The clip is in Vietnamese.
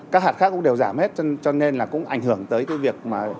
các hạt khác cũng đều giảm hết cho nên là cũng ảnh hưởng tới cái việc mà